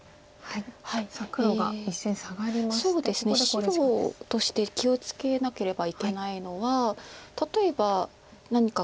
白として気を付けなければいけないのは例えば何かこの辺り。